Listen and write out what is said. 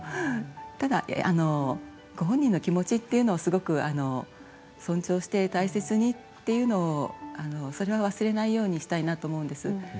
ただご本人の気持ちっていうのをすごく尊重して大切にっていうのをそれは忘れないようにしたいなと思うんです。